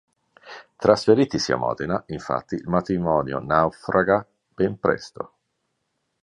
Trasferitisi a Modena, infatti, il matrimonio naufraga ben presto.